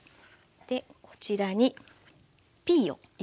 でこちらにピーを入れます。